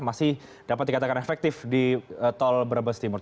masih dapat dikatakan efektif di tol brebes timur